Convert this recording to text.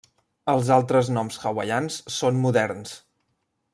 Els altres noms hawaians són moderns.